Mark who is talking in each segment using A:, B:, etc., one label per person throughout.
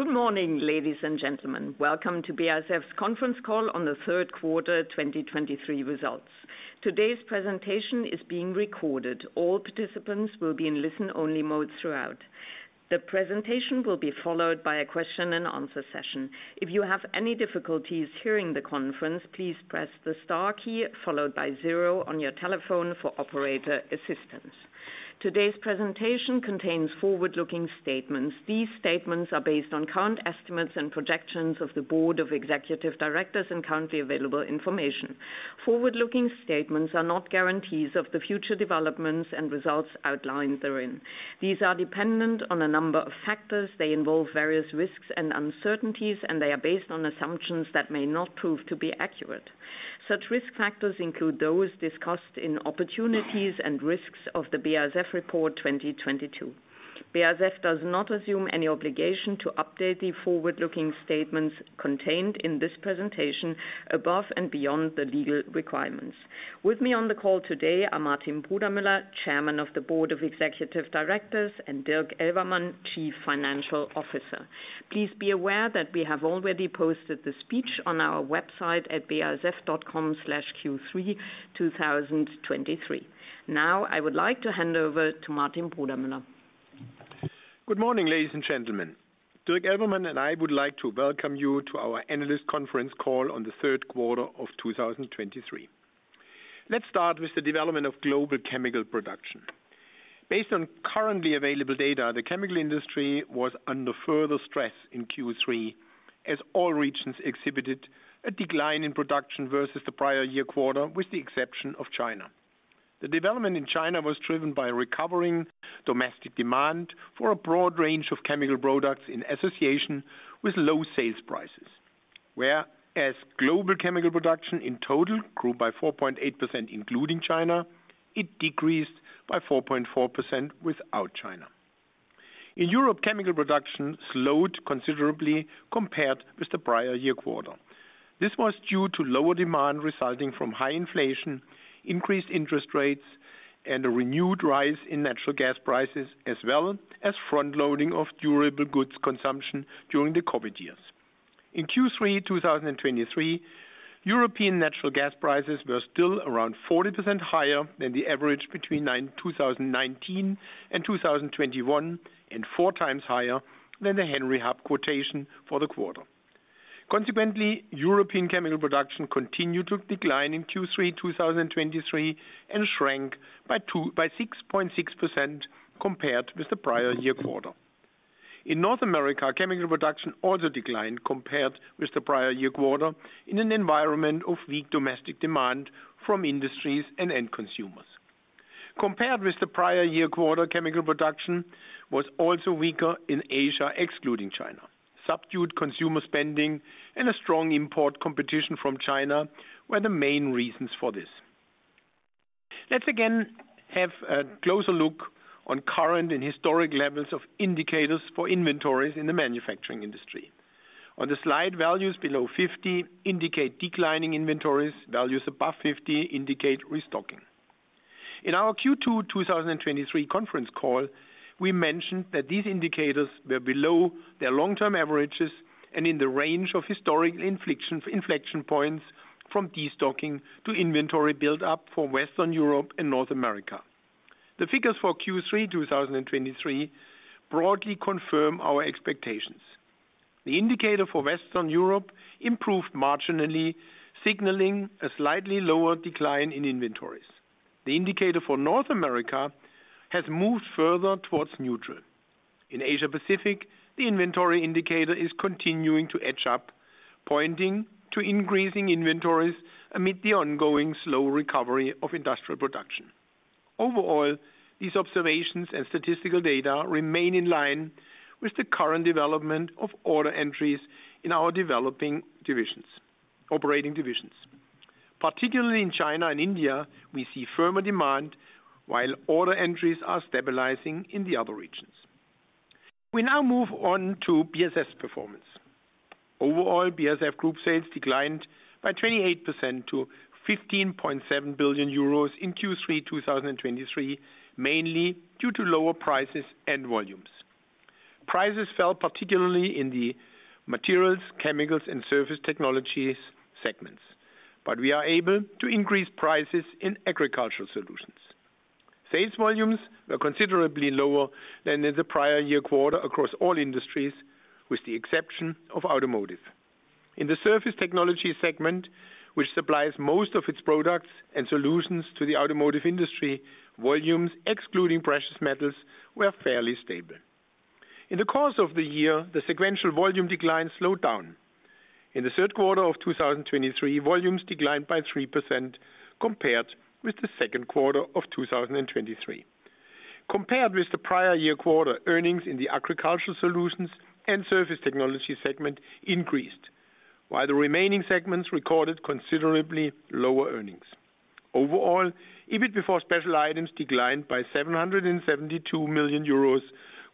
A: Good morning, ladies and gentlemen. Welcome to BASF's conference call on the Q3 2023 results. Today's presentation is being recorded. All participants will be in listen-only mode throughout. The presentation will be followed by a question and answer session. If you have any difficulties hearing the conference, please press the star key, followed by zero on your telephone for operator assistance. Today's presentation contains forward-looking statements. These statements are based on current estimates and projections of the Board of Executive Directors and currently available information. Forward-looking statements are not guarantees of the future developments and results outlined therein. These are dependent on a number of factors. They involve various risks and uncertainties, and they are based on assumptions that may not prove to be accurate. Such risk factors include those discussed in Opportunities and Risks of the BASF Report 2022. BASF does not assume any obligation to update the forward-looking statements contained in this presentation above and beyond the legal requirements. With me on the call today are Martin Brudermüller, Chairman of the Board of Executive Directors, and Dirk Elvermann, Chief Financial Officer. Please be aware that we have already posted the speech on our website at basf.com/Q3, 2023. Now, I would like to hand over to Martin Brudermüller.
B: Good morning, ladies and gentlemen. Dirk Elvermann and I would like to welcome you to our analyst conference call on the Q3 of 2023. Let's start with the development of global chemical production. Based on currently available data, the chemical industry was under further stress in Q3, as all regions exhibited a decline in production versus the prior year, with the exception of China. The development in China was driven by a recovering domestic demand for a broad range of chemical products in association with low sales prices. Whereas global chemical production in total grew by 4.8%, including China, it decreased by 4.4% without China. In Europe, chemical production slowed considerably compared with the prior year quarter. This was due to lower demand resulting from high inflation, increased interest rates, and a renewed rise in natural gas prices, as well as front-loading of durable goods consumption during the COVID years. In Q3 2023, European natural gas prices were still around 40% higher than the average between 2019 and 2021, and 4 times higher than the Henry Hub quotation for the quarter. Consequently, European chemical production continued to decline in Q3 2023, and shrank by 6.6% compared with the prior year quarter. In North America, chemical production also declined compared with the prior year quarter in an environment of weak domestic demand from industries and end consumers. Compared with the prior year quarter, chemical production was also weaker in Asia, excluding China. Subdued consumer spending and a strong import competition from China were the main reasons for this. Let's again have a closer look on current and historic levels of indicators for inventories in the manufacturing industry. On the slide, values below 50 indicate declining inventories. Values above 50 indicate restocking. In our Q2 2023 conference call, we mentioned that these indicators were below their long-term averages and in the range of historic inflection points from destocking to inventory build-up for Western Europe and North America. The figures for Q3 2023 broadly confirm our expectations. The indicator for Western Europe improved marginally, signaling a slightly lower decline in inventories. The indicator for North America has moved further towards neutral. In Asia Pacific, the inventory indicator is continuing to edge up, pointing to increasing inventories amid the ongoing slow recovery of industrial production. Overall, these observations and statistical data remain in line with the current development of order entries in our developing divisions, operating divisions. Particularly in China and India, we see firmer demand while order entries are stabilizing in the other regions. We now move on to BASF performance. Overall, BASF Group sales declined by 28% to 15.7 billion euros in Q3 2023, mainly due to lower prices and volumes. Prices fell, particularly in the materials, chemicals, and surface technologies segments, but we are able to increase prices in agricultural solutions. Sales volumes were considerably lower than in the prior year quarter across all industries, with the exception of automotive. In the surface technology segment, which supplies most of its products and solutions to the automotive industry, volumes, excluding precious metals, were fairly stable. In the course of the year, the sequential volume decline slowed down. In the Q3 of 2023, volumes declined by 3% compared with the Q2 of 2023. Compared with the prior year quarter, earnings in the agricultural solutions and surface technology segment increased, while the remaining segments recorded considerably lower earnings. Overall, EBIT before special items declined by 772 million euros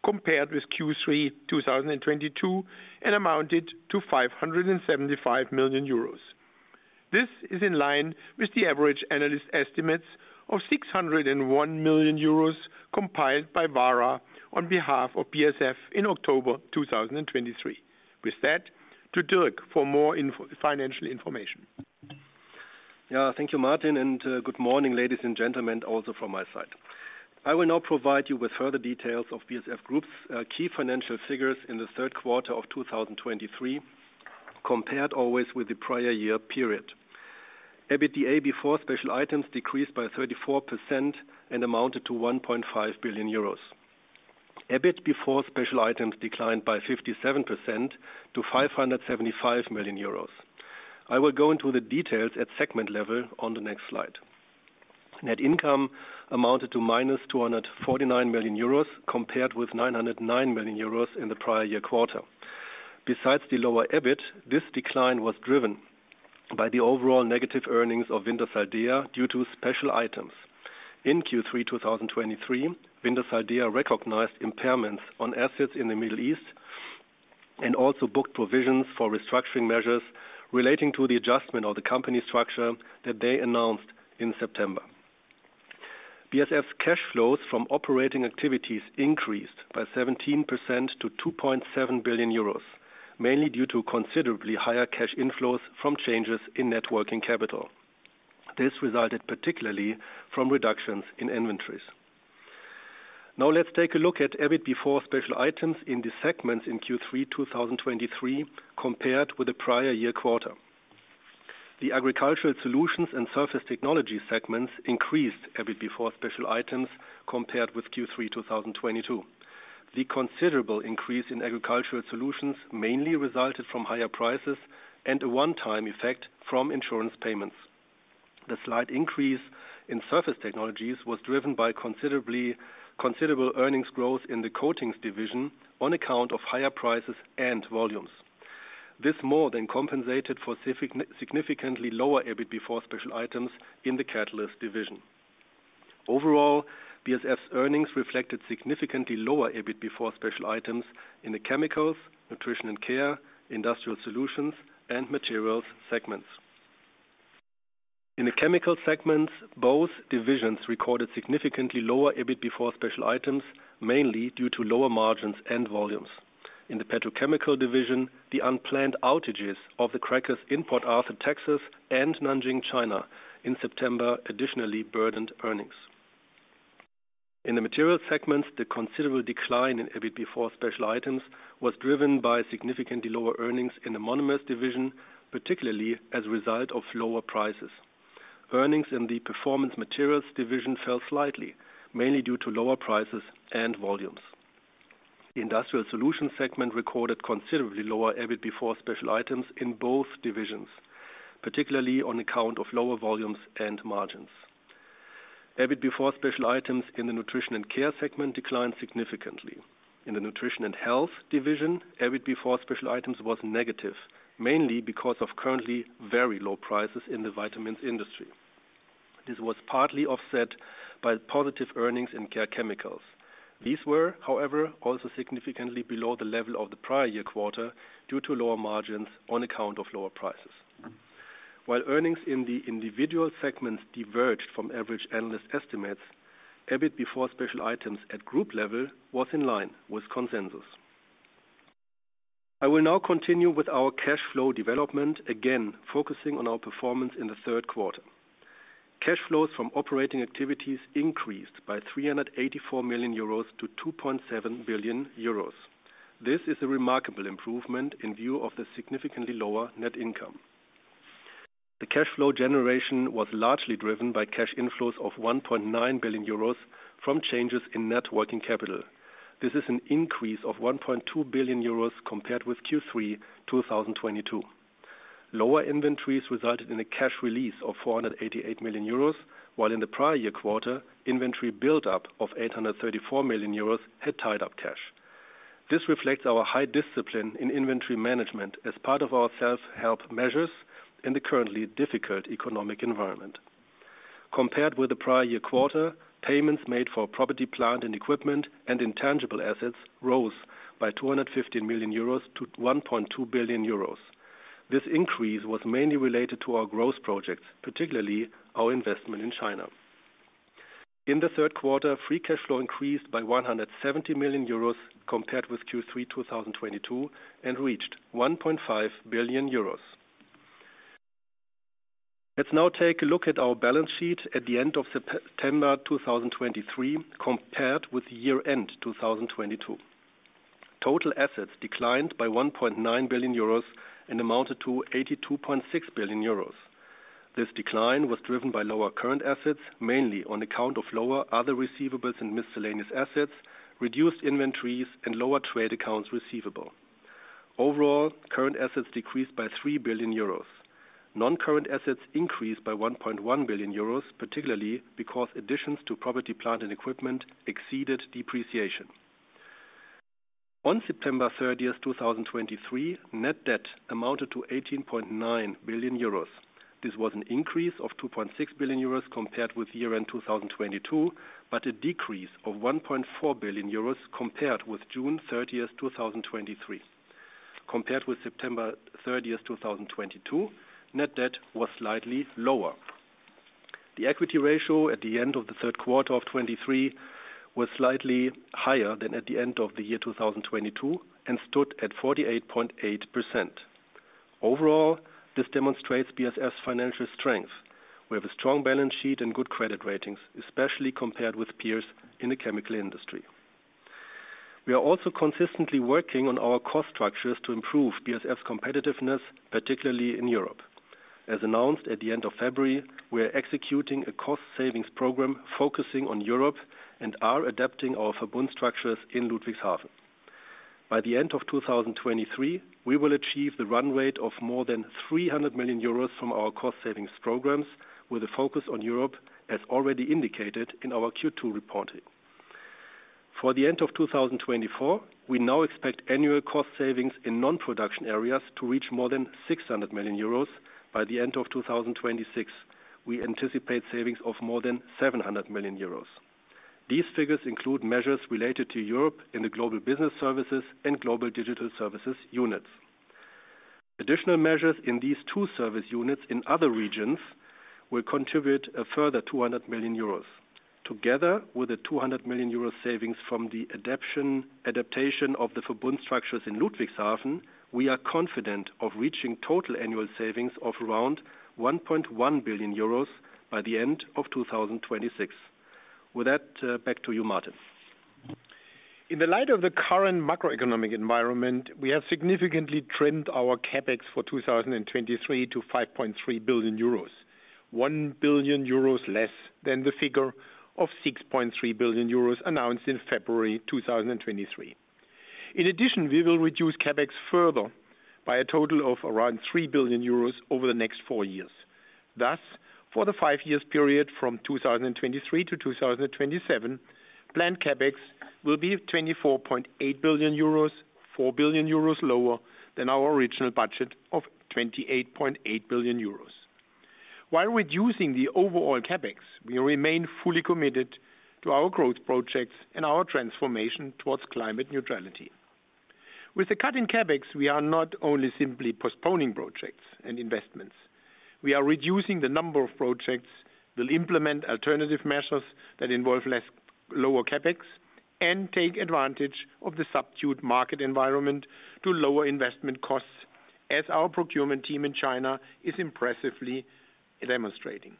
B: compared with Q3 2022, and amounted to 575 million euros. This is in line with the average analyst estimates of 601 million euros, compiled by Vara on behalf of BASF in October 2023. With that, to Dirk for more financial information.
C: Yeah, thank you, Martin, and good morning, ladies and gentlemen, also from my side. I will now provide you with further details of BASF Group's key financial figures in the Q3 of 2023, compared always with the prior year period. EBITDA before special items decreased by 34% and amounted to 1.5 billion euros. EBIT before special items declined by 57% to 575 million euros. I will go into the details at segment level on the next slide. Net income amounted to -249 million euros, compared with 909 million euros in the prior year quarter. Besides the lower EBIT, this decline was driven by the overall negative earnings of Wintershall Dea due to special items. In Q3 2023, Wintershall Dea recognized impairments on assets in the Middle East and also booked provisions for restructuring measures relating to the adjustment of the company structure that they announced in September. BASF's cash flows from operating activities increased by 17% to 2.7 billion euros, mainly due to considerably higher cash inflows from changes in net working capital. This resulted particularly from reductions in inventories. Now let's take a look at EBIT before special items in the segments in Q3 2023, compared with the prior year quarter. The agricultural solutions and surface technology segments increased EBIT before special items compared with Q3 2022. The considerable increase in agricultural solutions mainly resulted from higher prices and a one-time effect from insurance payments. The slight increase in surface technologies was driven by considerable earnings growth in the coatings division on account of higher prices and volumes. This more than compensated for significantly lower EBIT before special items in the catalyst division. Overall, BASF's earnings reflected significantly lower EBIT before special items in the chemicals, nutrition and care, industrial solutions, and materials segments. In the chemical segments, both divisions recorded significantly lower EBIT before special items, mainly due to lower margins and volumes. In the petrochemical division, the unplanned outages of the crackers in Port Arthur, Texas, and Nanjing, China, in September additionally burdened earnings. In the material segment, the considerable decline in EBIT before special items was driven by significantly lower earnings in the monomers division, particularly as a result of lower prices. Earnings in the performance materials division fell slightly, mainly due to lower prices and volumes. The industrial solutions segment recorded considerably lower EBIT before special items in both divisions, particularly on account of lower volumes and margins. EBIT before special items in the nutrition and care segment declined significantly. In the nutrition and health division, EBIT before special items was negative, mainly because of currently very low prices in the vitamins industry. This was partly offset by positive earnings in care chemicals. These were, however, also significantly below the level of the prior year quarter due to lower margins on account of lower prices. While earnings in the individual segments diverged from average analyst estimates, EBIT before special items at group level was in line with consensus. I will now continue with our cash flow development, again, focusing on our performance in the Q3. Cash flows from operating activities increased by 384 million euros to 2.7 billion euros. This is a remarkable improvement in view of the significantly lower net income. The cash flow generation was largely driven by cash inflows of 1.9 billion euros from changes in net working capital. This is an increase of 1.2 billion euros compared with Q3 2022. Lower inventories resulted in a cash release of 488 million euros, while in the prior year quarter, inventory buildup of 834 million euros had tied up cash. This reflects our high discipline in inventory management as part of our self-help measures in the currently difficult economic environment. Compared with the prior year quarter, payments made for property, plant, and equipment, and intangible assets rose by 215 million euros to 1.2 billion euros. This increase was mainly related to our growth projects, particularly our investment in China. In the Q3, free cash flow increased by 170 million euros compared with Q3 2022, and reached 1.5 billion euros. Let's now take a look at our balance sheet at the end of September 2023, compared with year-end 2022. Total assets declined by 1.9 billion euros and amounted to 82.6 billion euros. This decline was driven by lower current assets, mainly on account of lower other receivables and miscellaneous assets, reduced inventories, and lower trade accounts receivable. Overall, current assets decreased by 3 billion euros. Non-current assets increased by 1.1 billion euros, particularly because additions to property, plant, and equipment exceeded depreciation. On September 30th, 2023, net debt amounted to 18.9 billion euros. This was an increase of 2.6 billion euros compared with year-end 2022, but a decrease of 1.4 billion euros compared with June 30, 2023. Compared with September 30, 2022, net debt was slightly lower. The equity ratio at the end of the Q3 of 2023 was slightly higher than at the end of the year 2022, and stood at 48.8%. Overall, this demonstrates BASF's financial strength. We have a strong balance sheet and good credit ratings, especially compared with peers in the chemical industry. We are also consistently working on our cost structures to improve BASF's competitiveness, particularly in Europe. As announced at the end of February, we are executing a cost savings program focusing on Europe and are adapting our Verbund structures in Ludwigshafen. By the end of 2023, we will achieve the run rate of more than 300 million euros from our cost savings programs, with a focus on Europe, as already indicated in our Q2 reporting. For the end of 2024, we now expect annual cost savings in non-production areas to reach more than 600 million euros. By the end of 2026, we anticipate savings of more than 700 million euros. These figures include measures related to Europe in the Global Business Services and Global Digital Services units. Additional measures in these two service units in other regions will contribute a further 200 million euros. Together with the 200 million euro savings from the adaptation of the Verbund structures in Ludwigshafen, we are confident of reaching total annual savings of around 1.1 billion euros by the end of 2026. With that, back to you, Martin.
B: In the light of the current macroeconomic environment, we have significantly trimmed our CapEx for 2023 to 5.3 billion euros, 1 billion euros less than the figure of 6.3 billion euros announced in February 2023. In addition, we will reduce CapEx further by a total of around 3 billion euros over the next four years. Thus, for the five-year period from 2023 to 2027, planned CapEx will be 24.8 billion euros, 4 billion euros lower than our original budget of 28.8 billion euros. While reducing the overall CapEx, we remain fully committed to our growth projects and our transformation towards climate neutrality. With the cut in CapEx, we are not only simply postponing projects and investments, we are reducing the number of projects, we'll implement alternative measures that involve less lower CapEx, and take advantage of the subdued market environment to lower investment costs, as our procurement team in China is impressively demonstrating.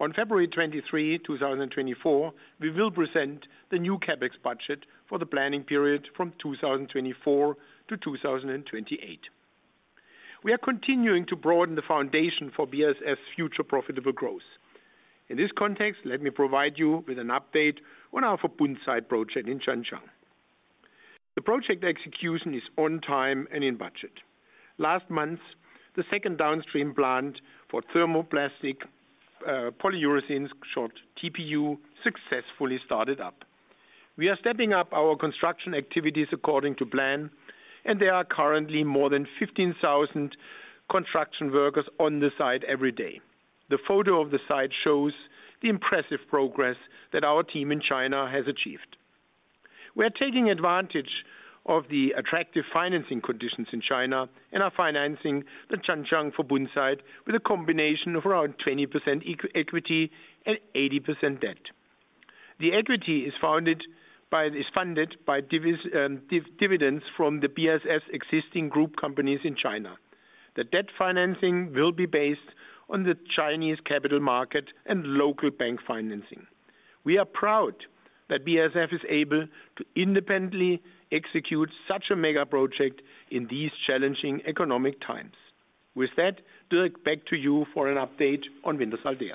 B: On February 23, 2024, we will present the new CapEx budget for the planning period from 2024 to 2028. We are continuing to broaden the foundation for BASF's future profitable growth. In this context, let me provide you with an update on our Verbund site project in Zhanjiang. The project execution is on time and in budget. Last month, the second downstream plant for thermoplastic polyurethanes, short TPU, successfully started up. We are stepping up our construction activities according to plan, and there are currently more than 15,000 construction workers on the site every day. The photo of the site shows the impressive progress that our team in China has achieved. We are taking advantage of the attractive financing conditions in China and are financing the Zhanjiang Verbund site with a combination of around 20% equity and 80% debt. The equity is funded by dividends from the BASF existing group companies in China. The debt financing will be based on the Chinese capital market and local bank financing. We are proud that BASF is able to independently execute such a mega project in these challenging economic times. With that, Dirk, back to you for an update on Wintershall Dea.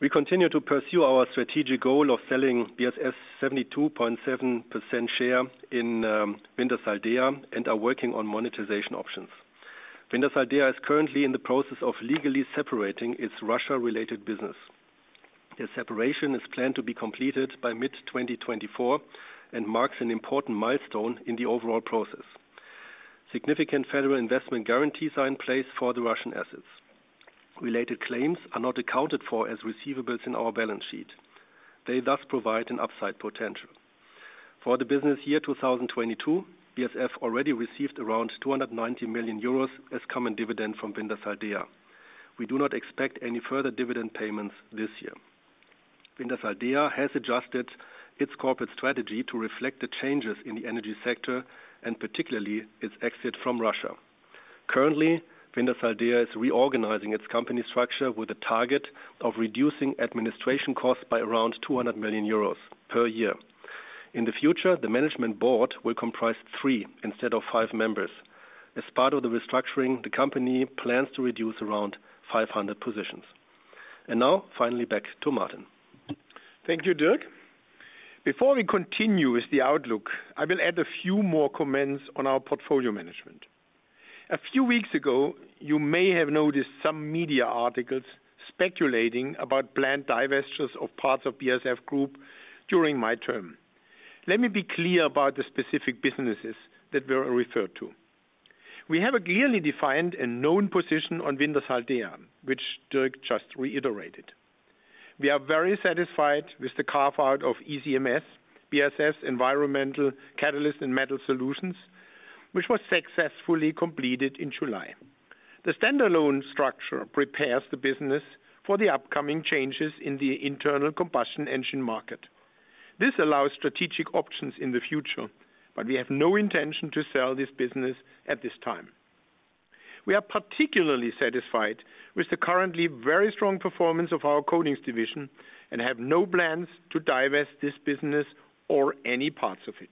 C: We continue to pursue our strategic goal of selling BASF's 72.7% share in Wintershall Dea and are working on monetization options. Wintershall Dea is currently in the process of legally separating its Russia-related business. The separation is planned to be completed by mid-2024 and marks an important milestone in the overall process. Significant federal investment guarantees are in place for the Russian assets. Related claims are not accounted for as receivables in our balance sheet. They thus provide an upside potential. For the business year 2022, BASF already received around 290 million euros as common dividend from Wintershall Dea. We do not expect any further dividend payments this year. Wintershall Dea has adjusted its corporate strategy to reflect the changes in the energy sector and particularly its exit from Russia. Currently, Wintershall Dea is reorganizing its company structure with a target of reducing administration costs by around 200 million euros per year. In the future, the management board will comprise three instead of five members. As part of the restructuring, the company plans to reduce around 500 positions. Now, finally, back to Martin.
B: Thank you, Dirk. Before we continue with the outlook, I will add a few more comments on our portfolio management. A few weeks ago, you may have noticed some media articles speculating about planned divestitures of parts of BASF Group during my term. Let me be clear about the specific businesses that were referred to. We have a clearly defined and known position on Wintershall Dea, which Dirk just reiterated.... We are very satisfied with the carve out of ECMS, BASF Environmental Catalyst and Metal Solutions, which was successfully completed in July. The standalone structure prepares the business for the upcoming changes in the internal combustion engine market. This allows strategic options in the future, but we have no intention to sell this business at this time. We are particularly satisfied with the currently very strong performance of our coatings division and have no plans to divest this business or any parts of it.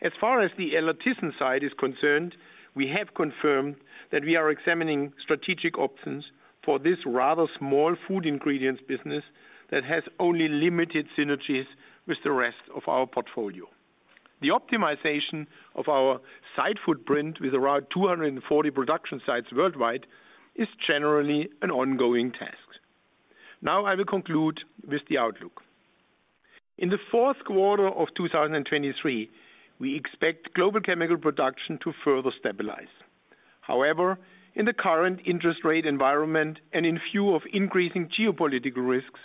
B: As far as the Illertissen site is concerned, we have confirmed that we are examining strategic options for this rather small food ingredients business that has only limited synergies with the rest of our portfolio. The optimization of our site footprint with around 240 production sites worldwide is generally an ongoing task. Now I will conclude with the outlook. In the Q4 of 2023, we expect global chemical production to further stabilize. However, in the current interest rate environment, and in view of increasing geopolitical risks,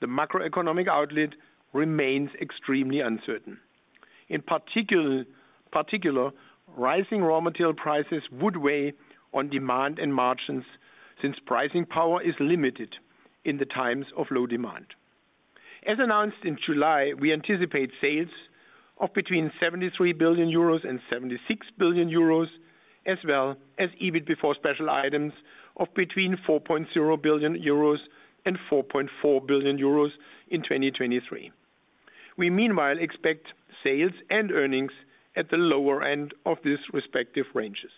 B: the macroeconomic outlook remains extremely uncertain. In particular, rising raw material prices would weigh on demand and margins, since pricing power is limited in the times of low demand. As announced in July, we anticipate sales of between 73 billion euros and 76 billion euros, as well as EBIT before special items of between 4.0 billion euros and 4.4 billion euros in 2023. We meanwhile expect sales and earnings at the lower end of these respective ranges.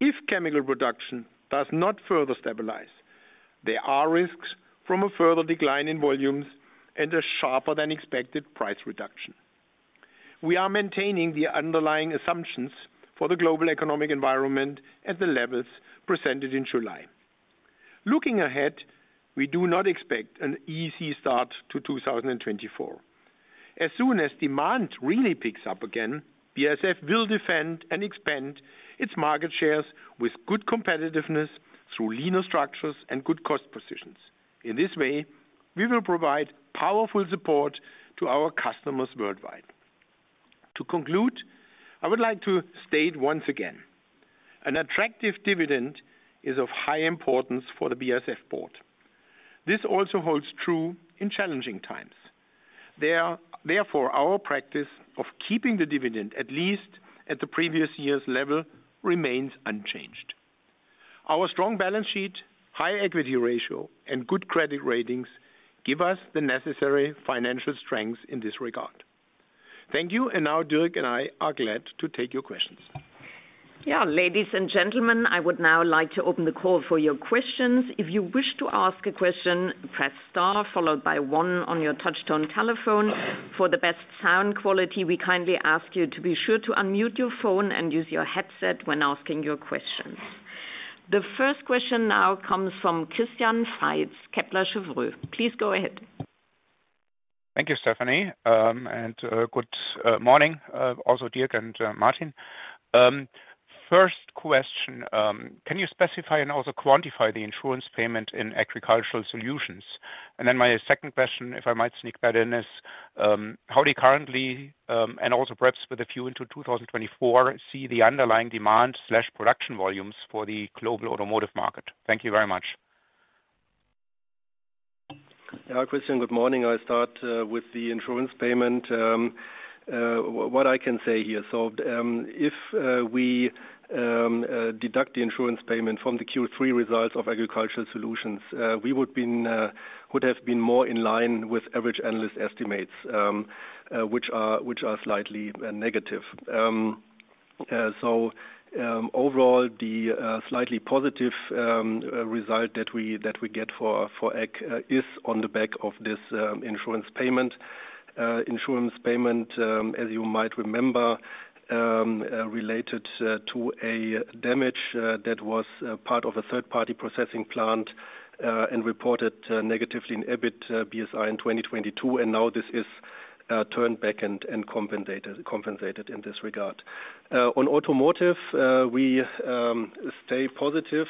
B: If chemical production does not further stabilize, there are risks from a further decline in volumes and a sharper than expected price reduction. We are maintaining the underlying assumptions for the global economic environment at the levels presented in July. Looking ahead, we do not expect an easy start to 2024. As soon as demand really picks up again, BASF will defend and expand its market shares with good competitiveness through leaner structures and good cost positions. In this way, we will provide powerful support to our customers worldwide. To conclude, I would like to state once again, an attractive dividend is of high importance for the BASF board. This also holds true in challenging times. Therefore, our practice of keeping the dividend, at least at the previous year's level, remains unchanged. Our strong balance sheet, high equity ratio, and good credit ratings give us the necessary financial strength in this regard. Thank you, and now Dirk and I are glad to take your questions.
D: Yeah, ladies and gentlemen, I would now like to open the call for your questions. If you wish to ask a question, press star followed by one on your touchtone telephone. For the best sound quality, we kindly ask you to be sure to unmute your phone and use your headset when asking your questions. The first question now comes from Christian Faitz, Kepler Cheuvreux. Please go ahead.
E: Thank you, Stephanie, and good morning also Dirk and Martin. First question, can you specify and also quantify the insurance payment in Agricultural Solutions? And then my second question, if I might sneak that in, is how do you currently and also perhaps with a view into 2024, see the underlying demand/production volumes for the global automotive market? Thank you very much.
C: Yeah, Christian, good morning. I'll start with the insurance payment. What I can say here, so if we deduct the insurance payment from the Q3 results of Agricultural Solutions, we would have been more in line with average analyst estimates, which are slightly negative. So overall, the slightly positive result that we get for Ag is on the back of this insurance payment. Insurance payment, as you might remember, related to a damage that was part of a third-party processing plant and reported negatively in EBIT BSI in 2022, and now this is turned back and compensated in this regard. On automotive, we stay positive.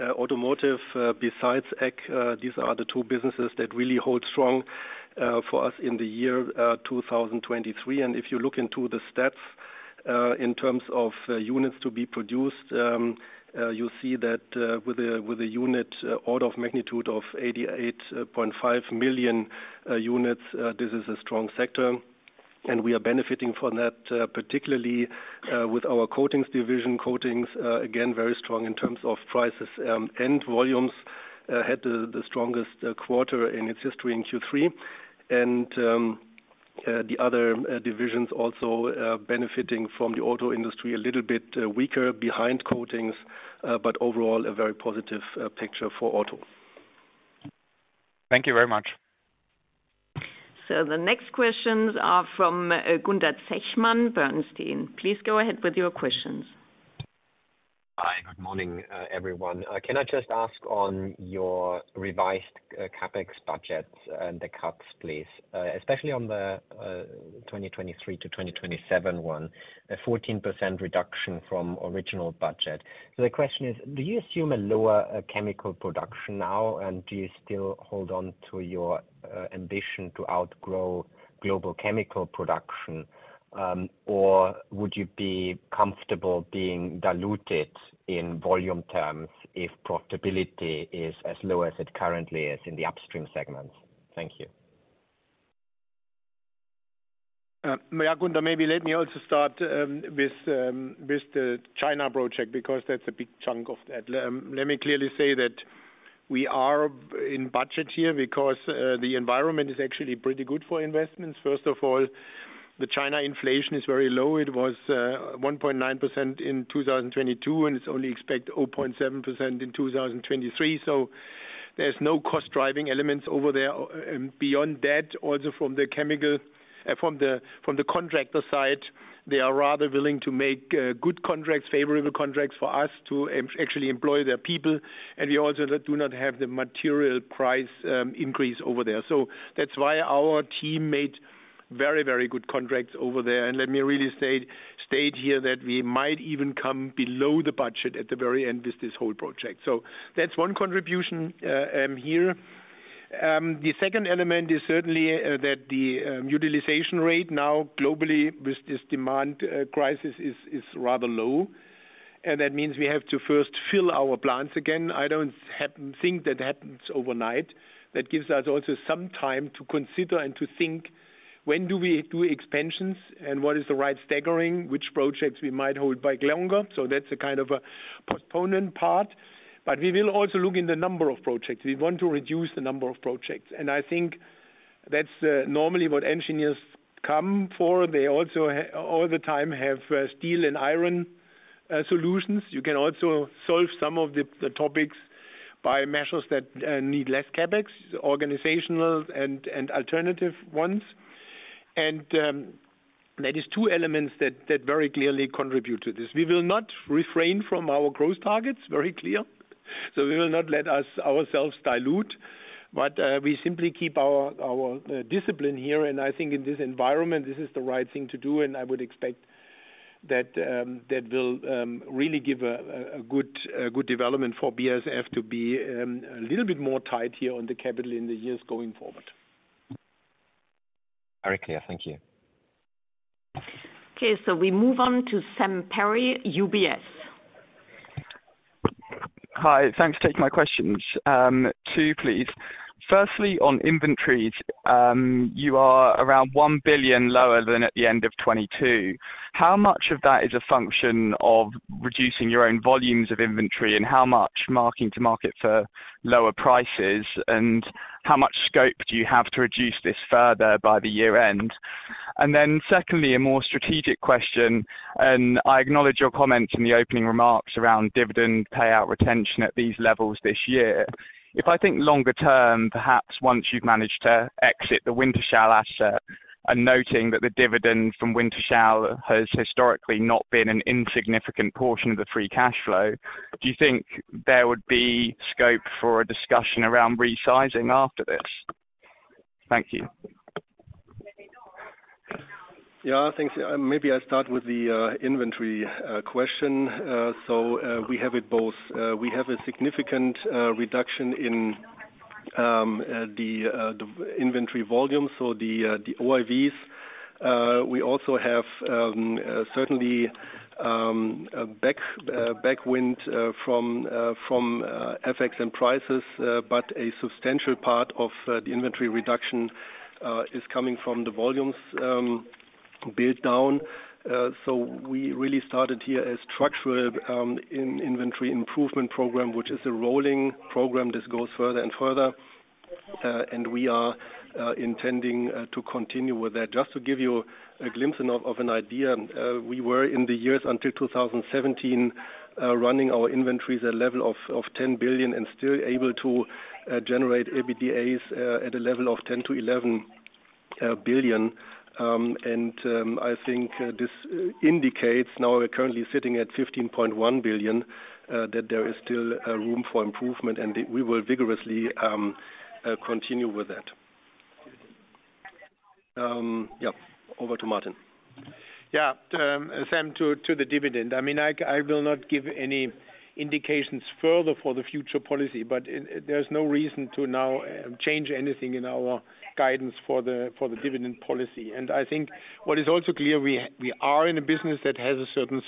C: Automotive, besides Ag, these are the two businesses that really hold strong for us in the year 2023. If you look into the stats in terms of units to be produced, you see that with a unit order of magnitude of 88.5 million units, this is a strong sector, and we are benefiting from that particularly with our coatings division. Coatings again very strong in terms of prices and volumes had the strongest quarter in its history in Q3. The other divisions also benefiting from the auto industry a little bit weaker behind coatings but overall a very positive picture for auto.
E: Thank you very much.
A: The next questions are from Gunther Zechmann, Bernstein. Please go ahead with your questions. ...
F: Good morning, everyone. Can I just ask on your revised CapEx budget and the cuts, please, especially on the 2023 to 2027 one, a 14% reduction from original budget. So the question is: Do you assume a lower chemical production now, and do you still hold on to your ambition to outgrow global chemical production? Or would you be comfortable being diluted in volume terms if profitability is as low as it currently is in the upstream segments? Thank you.
B: Maybe Illertissen, maybe let me also start with the China project, because that's a big chunk of that. Let me clearly say that we are in budget here because the environment is actually pretty good for investments. First of all, the China inflation is very low. It was 1.9% in 2022, and it's only expected 0.7% in 2023. So there's no cost driving elements over there. And beyond that, also from the chemical, from the contractor side, they are rather willing to make good contracts, favorable contracts for us to actually employ their people. And we also do not have the material price increase over there. So that's why our team made very, very good contracts over there. Let me really state here that we might even come below the budget at the very end with this whole project. That's one contribution here. The second element is certainly that the utilization rate now globally with this demand crisis is rather low, and that means we have to first fill our plants again. I don't think that happens overnight. That gives us also some time to consider and to think, when do we do expansions, and what is the right staggering? Which projects we might hold back longer? That's a kind of a component part, but we will also look in the number of projects. We want to reduce the number of projects, and I think that's normally what engineers come for. They also all the time have steel and iron solutions. You can also solve some of the topics by measures that need less CapEx, organizational and alternative ones. That is two elements that very clearly contribute to this. We will not refrain from our growth targets, very clear. So we will not let ourselves dilute, but we simply keep our discipline here, and I think in this environment, this is the right thing to do, and I would expect that that will really give a good development for BASF to be a little bit more tight here on the capital in the years going forward.
F: Very clear. Thank you.
A: Okay, so we move on to Sam Perry, UBS.
G: Hi, thanks for taking my questions. Two, please. Firstly, on inventories, you are around 1 billion lower than at the end of 2022. How much of that is a function of reducing your own volumes of inventory, and how much marking to market for lower prices? And how much scope do you have to reduce this further by the year end? And then, secondly, a more strategic question, and I acknowledge your comments in the opening remarks around dividend payout retention at these levels this year. If I think longer term, perhaps once you've managed to exit the Wintershall asset, and noting that the dividend from Wintershall has historically not been an insignificant portion of the free cash flow, do you think there would be scope for a discussion around resizing after this? Thank you.
C: Yeah, I think maybe I start with the inventory question. So, we have it both. We have a significant reduction in the inventory volume, so the OIVs. We also have certainly a tailwind from FX and prices, but a substantial part of the inventory reduction is coming from the volumes build down. So we really started here a structural inventory improvement program, which is a rolling program. This goes further and further, and we are intending to continue with that. Just to give you a glimpse into an idea, we were in the years until 2017 running our inventories at a level of 10 billion and still able to generate EBITDA at a level of 10-11 billion. I think this indicates, now we're currently sitting at 15.1 billion, that there is still room for improvement, and we will vigorously continue with that. Yeah, over to Martin.
B: Yeah, Sam, to the dividend, I mean, I will not give any indications further for the future policy, but there's no reason to now change anything in our guidance for the dividend policy. I think what is also clear, we are in a business that has a certain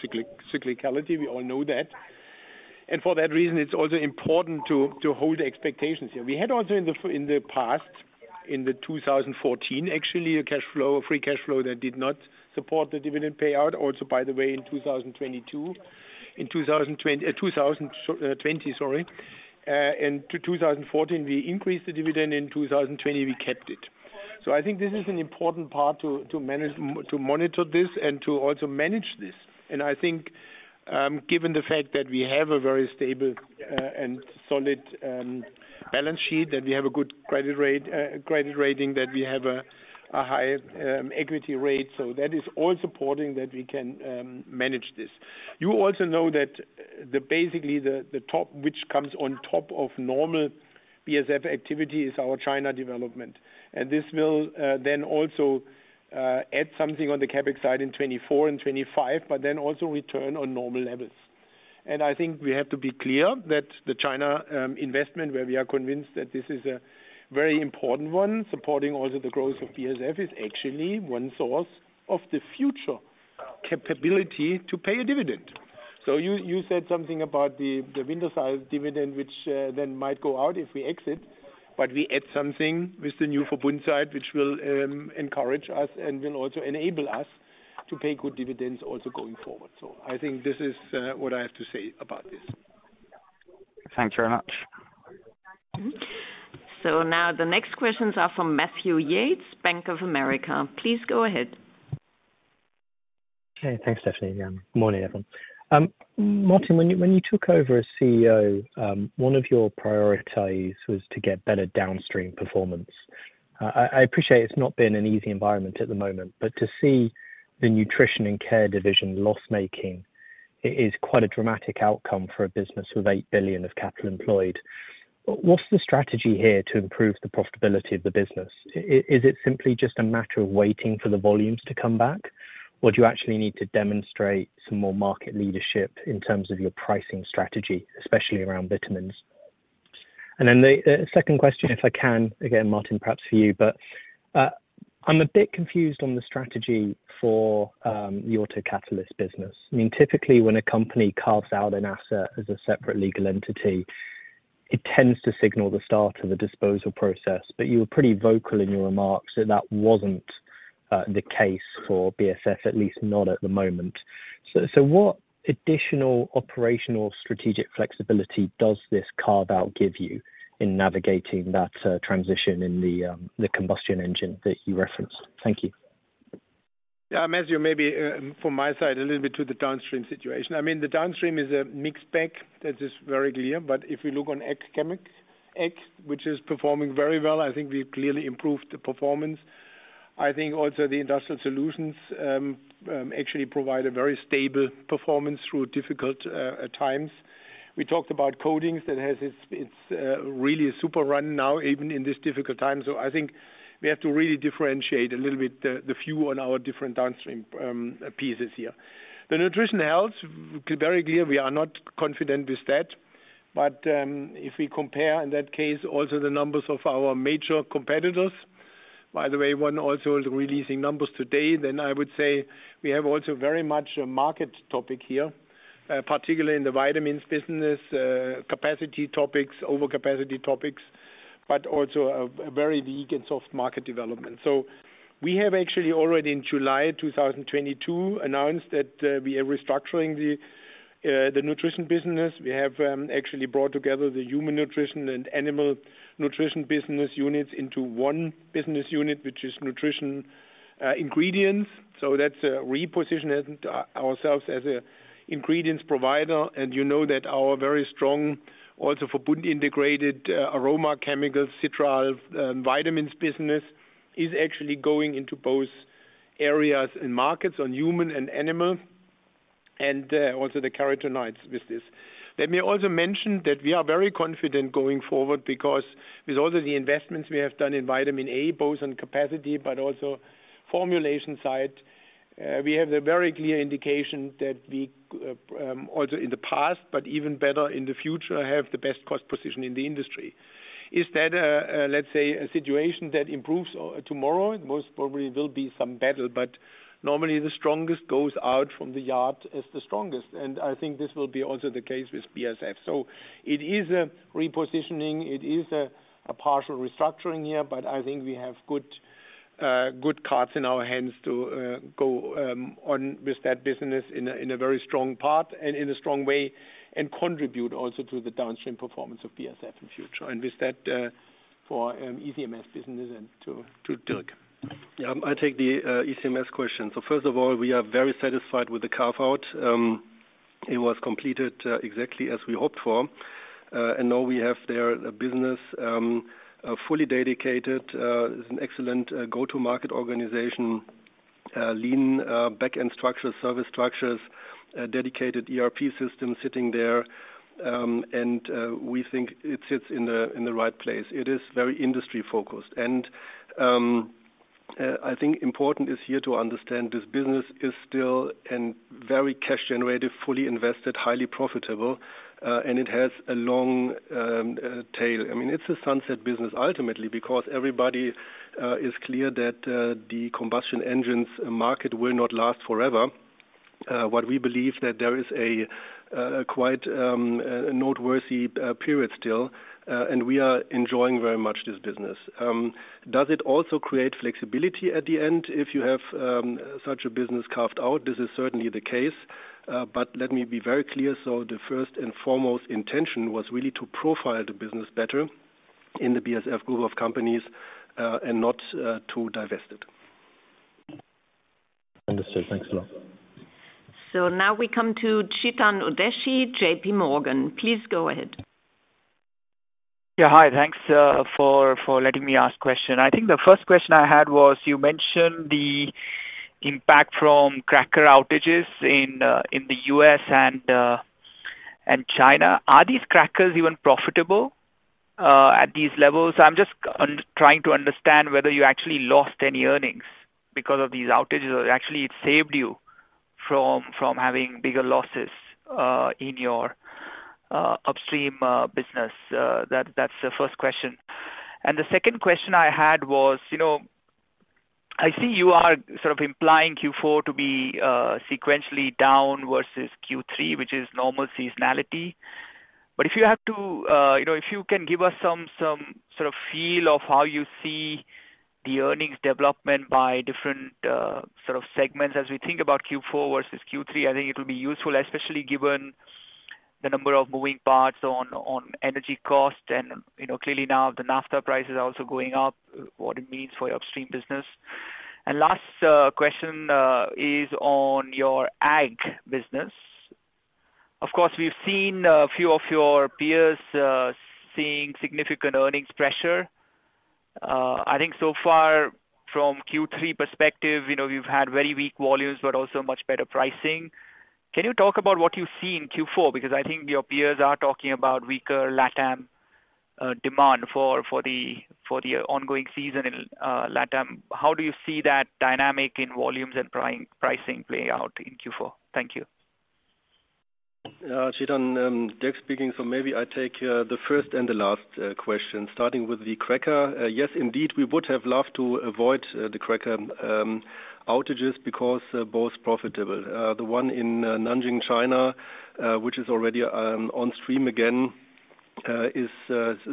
B: cyclicality. We all know that, and for that reason, it's also important to hold expectations here. We had also in the past, in 2014, actually, a cash flow, a free cash flow that did not support the dividend payout. Also, by the way, in 2022, in 2020, sorry. In 2014, we increased the dividend. In 2020, we kept it. So I think this is an important part to manage to monitor this and to also manage this. And I think, given the fact that we have a very stable and solid balance sheet, that we have a good credit rating, that we have a high equity rate, so that is all supporting that we can manage this. You also know that basically the top, which comes on top of normal BASF activity, is our China development. This will then also add something on the CapEx side in 2024 and 2025, but then also return on normal levels. I think we have to be clear that the China investment, where we are convinced that this is a very important one, supporting also the growth of BASF, is actually one source of the future capability to pay a dividend. So you said something about the Wintershall dividend, which then might go out if we exit, but we add something with the new Verbund site, which will encourage us and will also enable us to pay good dividends also going forward. So I think this is what I have to say about this.
G: Thank you very much.
D: Now the next questions are from Matthew Yates, Bank of America. Please go ahead.
H: Okay, thanks, Stephanie. Good morning, everyone. Martin, when you took over as CEO, one of your priorities was to get better downstream performance. I appreciate it's not been an easy environment at the moment, but to see the Nutrition and Care division loss-making is quite a dramatic outcome for a business with 8 billion of capital employed. What's the strategy here to improve the profitability of the business? Is it simply just a matter of waiting for the volumes to come back, or do you actually need to demonstrate some more market leadership in terms of your pricing strategy, especially around vitamins? And then the second question, if I can, again, Martin, perhaps for you, but I'm a bit confused on the strategy for the autocatalyst business. I mean, typically when a company carves out an asset as a separate legal entity, it tends to signal the start of the disposal process, but you were pretty vocal in your remarks that that wasn't the case for BASF, at least not at the moment. So what additional operational strategic flexibility does this carve-out give you in navigating that transition in the combustion engine that you referenced? Thank you.
B: Yeah, Matthew, maybe, from my side, a little bit to the downstream situation. I mean, the downstream is a mixed bag. That is very clear. But if you look on Ag Chemical, Ag, which is performing very well, I think we've clearly improved the performance. I think also the industrial solutions, actually provide a very stable performance through difficult, times. We talked about coatings that has its, its, really a super run now, even in this difficult time. So I think we have to really differentiate a little bit the, the view on our different downstream, pieces here. The nutrition health, very clear, we are not confident with that. But if we compare in that case also the numbers of our major competitors, by the way, one also is releasing numbers today, then I would say we have also very much a market topic here, particularly in the vitamins business, capacity topics, overcapacity topics, but also a very weak and soft market development. So we have actually already in July 2022 announced that we are restructuring the nutrition business. We have actually brought together the human nutrition and animal nutrition business units into one business unit, which is nutrition ingredients. So that's repositioning ourselves as an ingredients provider. And you know that our very strong, also for integrated, aroma chemicals, citral, vitamins business, is actually going into both areas and markets on human and animal, and also the carotenoids with this. Let me also mention that we are very confident going forward because with all of the investments we have done in vitamin A, both on capacity but also formulation side, we have a very clear indication that we also in the past, but even better in the future, have the best cost position in the industry. Is that, let's say, a situation that improves tomorrow? It most probably will be some battle, but normally the strongest goes out from the yard as the strongest, and I think this will be also the case with BASF. So it is a repositioning, it is a partial restructuring here, but I think we have good cards in our hands to go on with that business in a very strong part and in a strong way, and contribute also to the downstream performance of BASF in future. And with that, for ECMS business and to Dirk.
C: Yeah, I take the ECMS question. So first of all, we are very satisfied with the carve-out. It was completed exactly as we hoped for, and now we have their business fully dedicated. It's an excellent go-to-market organization, lean back-end structure, service structures, a dedicated ERP system sitting there, and we think it sits in the right place. It is very industry focused. And I think important is here to understand this business is still a very cash generative, fully invested, highly profitable, and it has a long tail. I mean, it's a sunset business ultimately, because everybody is clear that the combustion engines market will not last forever. What we believe that there is a quite noteworthy period still, and we are enjoying very much this business. Does it also create flexibility at the end if you have such a business carved out? This is certainly the case, but let me be very clear. The first and foremost intention was really to profile the business better in the BASF group of companies, and not to divest it....
H: Understood. Thanks a lot.
A: So now we come to Chetan Udeshi, JP Morgan. Please go ahead.
I: Yeah, hi, thanks for letting me ask question. I think the first question I had was you mentioned the impact from cracker outages in the U.S. and China. Are these crackers even profitable at these levels? I'm just trying to understand whether you actually lost any earnings because of these outages, or actually it saved you from having bigger losses in your upstream business. That's the first question. And the second question I had was, you know, I see you are sort of implying Q4 to be sequentially down versus Q3, which is normal seasonality. But if you have to, you know, if you can give us some sort of feel of how you see the earnings development by different sort of segments as we think about Q4 versus Q3, I think it'll be useful, especially given the number of moving parts on energy costs and, you know, clearly now the naphtha price is also going up, what it means for your upstream business. And last question is on your ag business. Of course, we've seen a few of your peers seeing significant earnings pressure. I think so far from Q3 perspective, you know, you've had very weak volumes, but also much better pricing. Can you talk about what you see in Q4? Because I think your peers are talking about weaker LatAm demand for the ongoing season in LatAm. How do you see that dynamic in volumes and pricing play out in Q4? Thank you.
C: Chetan, Dirk speaking, so maybe I take the first and the last question, starting with the cracker. Yes, indeed, we would have loved to avoid the cracker outages because both profitable. The one in Nanjing, China, which is already on stream again, is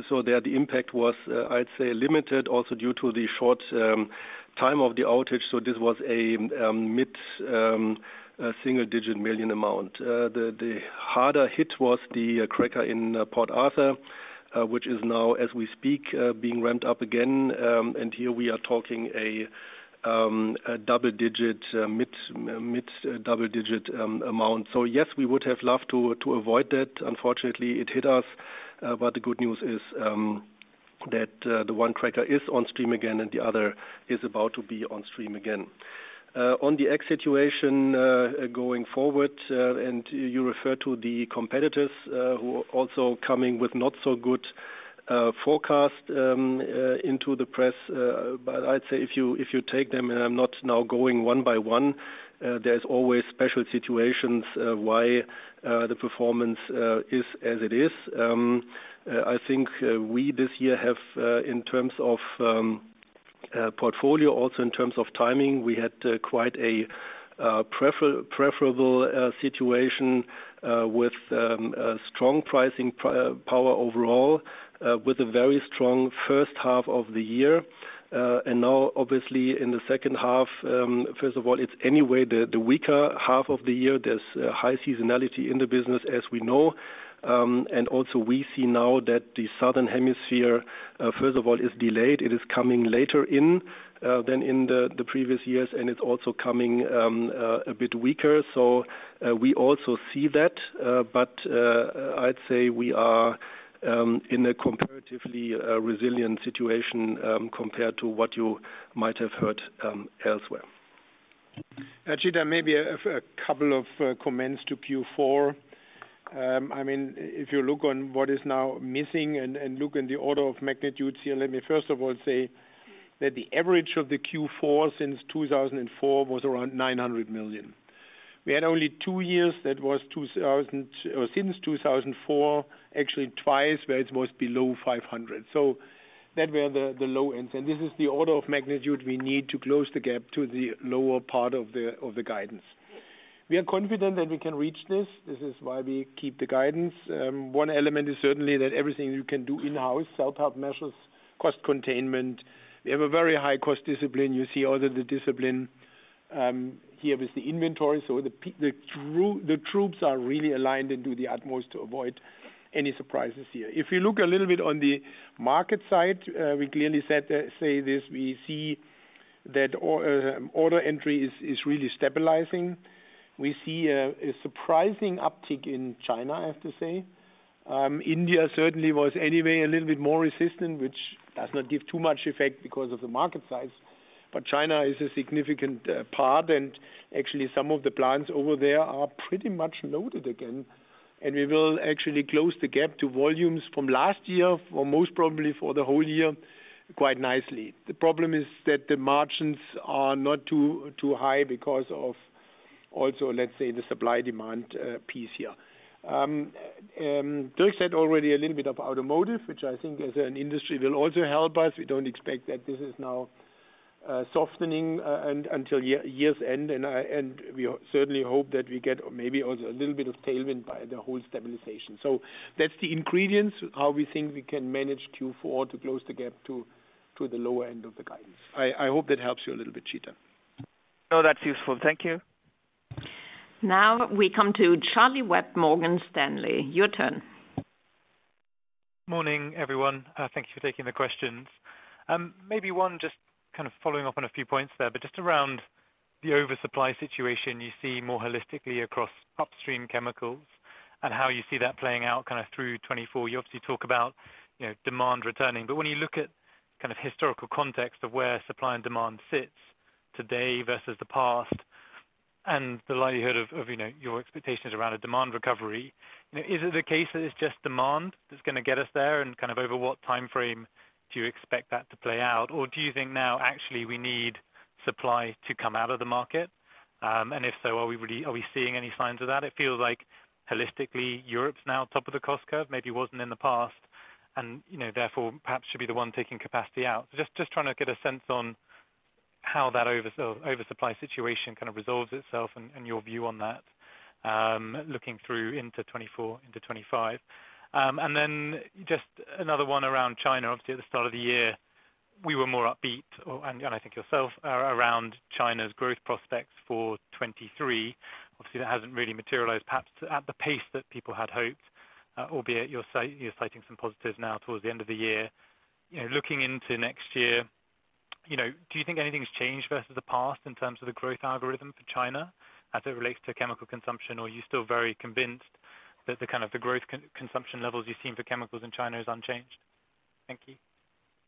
C: so there, the impact was, I'd say, limited also due to the short time of the outage, so this was a mid-single-digit million EUR amount. The harder hit was the cracker in Port Arthur, which is now, as we speak, being ramped up again. And here we are talking a mid-double-digit EUR amount. So yes, we would have loved to avoid that. Unfortunately, it hit us, but the good news is that the one cracker is on stream again, and the other is about to be on stream again. On the ag situation going forward, and you refer to the competitors who are also coming with not so good forecast into the press, but I'd say if you take them, and I'm not now going one by one, there's always special situations why the performance is as it is. I think we this year have in terms of portfolio, also in terms of timing, we had quite a preferable situation with a strong pricing power overall with a very strong H1 of the year. Now obviously in the H2, first of all, it's anyway the weaker half of the year. There's high seasonality in the business, as we know. And also we see now that the Southern Hemisphere first of all is delayed. It is coming later in than in the previous years, and it's also coming a bit weaker. So we also see that, but I'd say we are in a comparatively resilient situation compared to what you might have heard elsewhere. Chetan, maybe a couple of comments to Q4. I mean, if you look on what is now missing and look in the order of magnitude here, let me first of all say that the average of the Q4 since 2004 was around 900 million.
B: We had only two years, that was 2000, since 2004, actually twice, where it was below 500. So that were the low ends, and this is the order of magnitude we need to close the gap to the lower part of the guidance. We are confident that we can reach this. This is why we keep the guidance. One element is certainly that everything you can do in-house, self-help measures, cost containment. We have a very high-cost discipline. You see also the discipline here with the inventory. So the troops are really aligned and do their utmost to avoid any surprises here. If you look a little bit on the market side, we clearly see that order entry is really stabilizing. We see a surprising uptick in China, I have to say. India certainly was anyway a little bit more resistant, which does not give too much effect because of the market size. But China is a significant part, and actually some of the plants over there are pretty much loaded again. And we will actually close the gap to volumes from last year or most probably for the whole year quite nicely. The problem is that the margins are not too high because of also, let's say, the supply-demand piece here. Dirk said already a little bit of automotive, which I think as an industry will also help us. We don't expect that this is now softening and until year's end, and we certainly hope that we get maybe also a little bit of tailwind by the whole stabilization. So that's the ingredients, how we think we can manage Q4 to close the gap to the lower end of the guidance. I hope that helps you a little bit, Chetan.
I: No, that's useful. Thank you.
A: Now we come to Charlie Webb, Morgan Stanley. Your turn....
J: Morning, everyone. Thank you for taking the questions. Maybe one just kind of following up on a few points there, but just around the oversupply situation you see more holistically across upstream chemicals and how you see that playing out kind of through 2024. You obviously talk about, you know, demand returning, but when you look at kind of historical context of where supply and demand sits today versus the past, and the likelihood of, you know, your expectations around a demand recovery, you know, is it the case that it's just demand that's gonna get us there, and kind of over what time frame do you expect that to play out? Or do you think now actually we need supply to come out of the market? And if so, are we seeing any signs of that? It feels like holistically, Europe's now top of the cost curve, maybe wasn't in the past, and, you know, therefore perhaps should be the one taking capacity out. So just trying to get a sense on how that oversupply situation kind of resolves itself and your view on that, looking through into 2024, into 2025. And then just another one around China. Obviously, at the start of the year, we were more upbeat, oh, and I think yourself around China's growth prospects for 2023. Obviously, that hasn't really materialized perhaps at the pace that people had hoped, albeit you're citing some positives now towards the end of the year. You know, looking into next year, you know, do you think anything's changed versus the past in terms of the growth algorithm for China as it relates to chemical consumption, or are you still very convinced that the kind of the growth consumption levels you've seen for chemicals in China is unchanged? Thank you.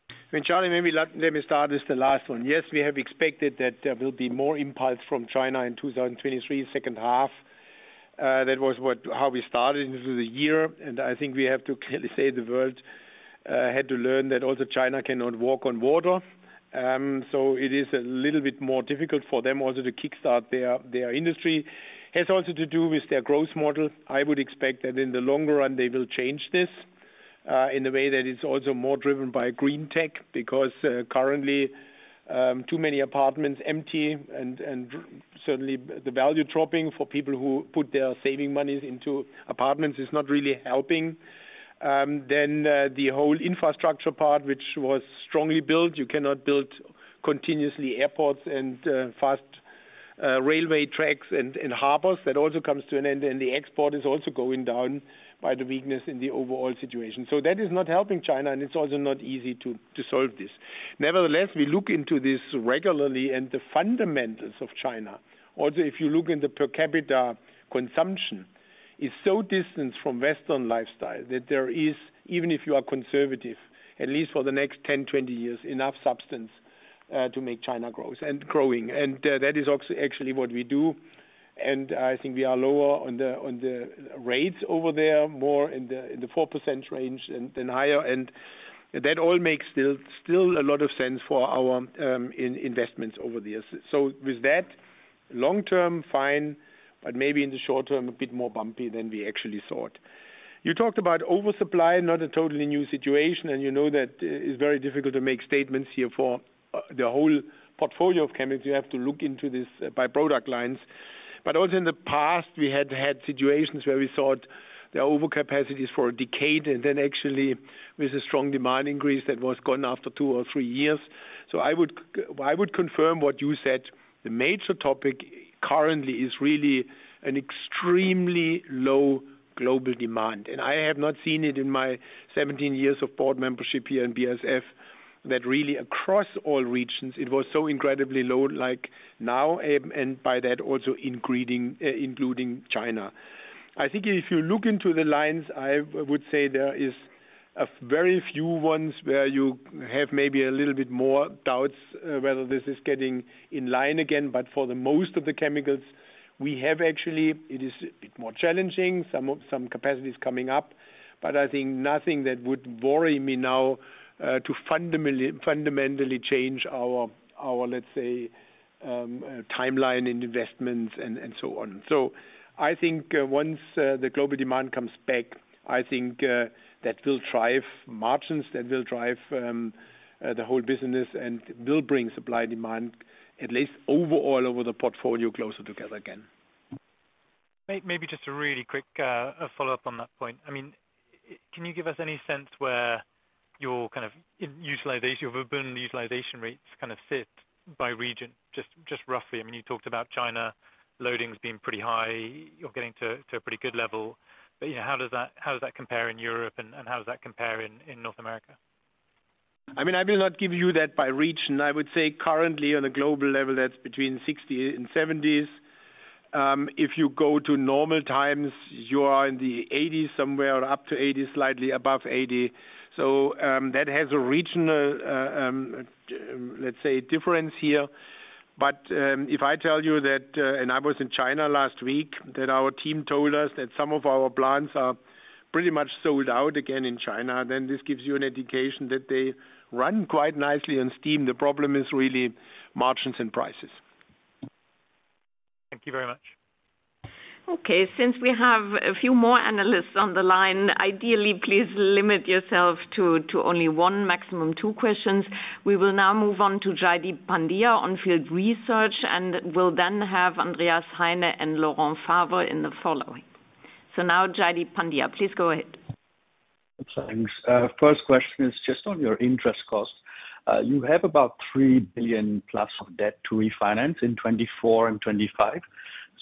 B: I mean, Charlie, maybe let me start with the last one. Yes, we have expected that there will be more impulse from China in 2023, H2. That was how we started into the year, and I think we have to clearly say the world had to learn that also China cannot walk on water. So it is a little bit more difficult for them also to kickstart their industry. Has also to do with their growth model. I would expect that in the longer run they will change this in a way that is also more driven by green tech, because currently too many apartments empty and certainly the value dropping for people who put their saving monies into apartments is not really helping. Then, the whole infrastructure part, which was strongly built, you cannot build continuously airports and fast railway tracks and harbors. That also comes to an end, and the export is also going down by the weakness in the overall situation. So that is not helping China, and it's also not easy to solve this. Nevertheless, we look into this regularly, and the fundamentals of China, also if you look in the per capita consumption, is so distant from Western lifestyle, that there is, even if you are conservative, at least for the next 10, 20 years, enough substance to make China grows and growing. That is also actually what we do, and I think we are lower on the rates over there, more in the 4% range and then higher, and that all makes still a lot of sense for our investments over the years. With that long term, fine, but maybe in the short term, a bit more bumpy than we actually thought. You talked about oversupply, not a totally new situation, and you know that it's very difficult to make statements here for the whole portfolio of chemicals. You have to look into this by product lines. But also in the past we had had situations where we thought there are over capacities for a decade, and then actually with a strong demand increase that was gone after two or three years. So I would confirm what you said. The major topic currently is really an extremely low global demand, and I have not seen it in my 17 years of board membership here in BASF, that really across all regions it was so incredibly low, like now, and by that also increasing, including China. I think if you look into the lines, I would say there is a very few ones where you have maybe a little bit more doubts, whether this is getting in line again. But for the most of the chemicals, we have actually, it is a bit more challenging, some capacities coming up, but I think nothing that would worry me now, to fundamentally, fundamentally change our, let's say, timeline and investments and, and so on. I think once the global demand comes back, I think that will drive margins, that will drive the whole business and will bring supply/demand, at least overall over the portfolio, closer together again.
J: Maybe just a really quick, a follow-up on that point. I mean, can you give us any sense where your kind of in utilization, your utilization rates kind of fit by region? Just, just roughly. I mean, you talked about China loadings being pretty high. You're getting to, to a pretty good level, but, you know, how does that, how does that compare in Europe, and, and how does that compare in, in North America?
B: I mean, I will not give you that by region. I would say currently on a global level, that's between 60 and 70s. If you go to normal times, you are in the 80s, somewhere up to 80, slightly above 80. So, that has a regional, let's say, difference here. But, if I tell you that, and I was in China last week, that our team told us that some of our plants are pretty much sold out again in China, then this gives you an indication that they run quite nicely on stream. The problem is really margins and prices.
J: Thank you very much.
A: Okay, since we have a few more analysts on the line, ideally, please limit yourself to only one, maximum two questions. We will now move on to Jaideep Pandya at Jefferies Research, and we'll then have Andreas Heine and Laurent Favre in the following. So now Jaideep Pandya, please go ahead.
K: Thanks. First question is just on your interest cost. You have about 3 billion plus of debt to refinance in 2024 and 2025.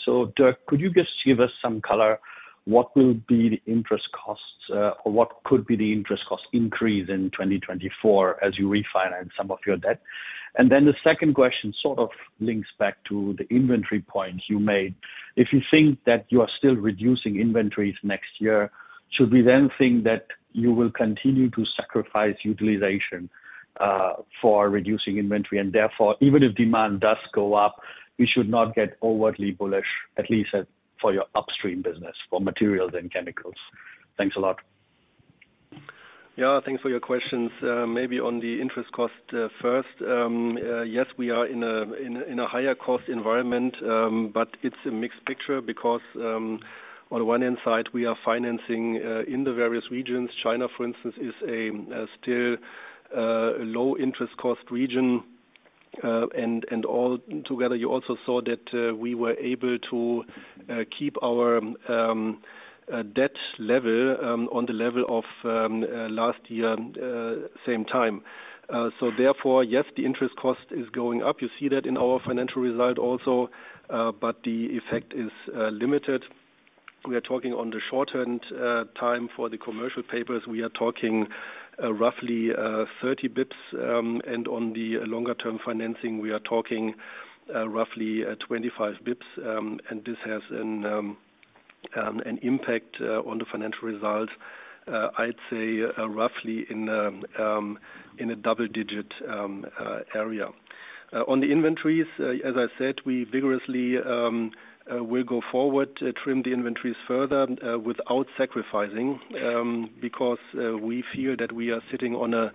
K: So Dirk, could you just give us some color, what will be the interest costs, or what could be the interest cost increase in 2024 as you refinance some of your debt? And then the second question sort of links back to the inventory point you made. If you think that you are still reducing inventories next year, should we then think that you will continue to sacrifice utilization, for reducing inventory, and therefore, even if demand does go up, we should not get overly bullish, at least at, for your upstream business, for materials and chemicals? Thanks a lot.
C: Yeah, thanks for your questions. Maybe on the interest cost, first, yes, we are in a higher cost environment, but it's a mixed picture because, on one hand side, we are financing in the various regions. China, for instance, is a still low interest cost region. And all together, you also saw that, we were able to keep our debt level on the level of last year same time. So therefore, yes, the interest cost is going up. You see that in our financial result also, but the effect is limited. We are talking on the short-term time for the commercial papers. We are talking roughly 30 bps, and on the longer-term financing, we are talking roughly 25 bps, and this has an impact on the financial result, I'd say, roughly in a double-digit area. On the inventories, as I said, we vigorously will go forward trim the inventories further without sacrificing because we feel that we are sitting on a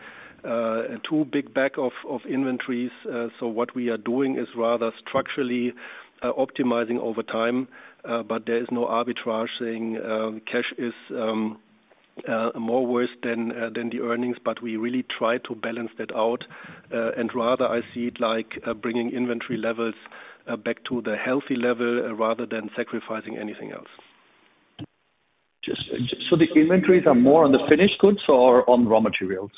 C: too big backlog of inventories. So what we are doing is rather structurally optimizing over time, but there is no arbitrage saying cash is more worse than the earnings, but we really try to balance that out. Rather, I see it like bringing inventory levels back to the healthy level rather than sacrificing anything else.
K: Just so the inventories are more on the finished goods or on raw materials,